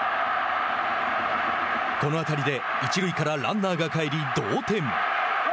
この当たりで一塁からランナーが帰り同点。